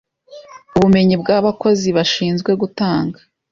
Ubumenyi bw abakozi bashinzwe gutanga